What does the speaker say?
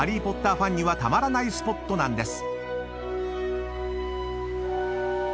ファンにはたまらないスポットなんです］